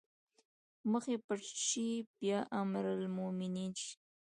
مخ يې پټ شي بيا امرالمومنين شي